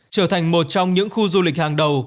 trở thành một trong những khu du lịch hàng đầu